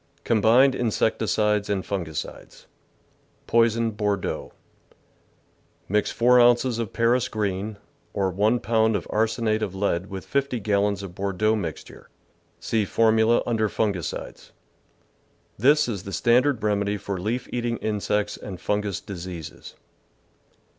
Combined Insecticides and Fungicides Poisoned Bordeaux. — Mix 4 ounces of Paris green, or 1 pound of arsenate of lead with 50 gal lons of Bordeaux mixture (see formula under Fungicides) . This is the standard remedy for leaf eating insects and fungous diseases.